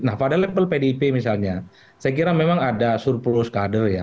nah pada level pdip misalnya saya kira memang ada surplus kader ya